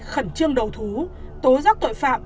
khẩn trương đầu thú tối rắc tội phạm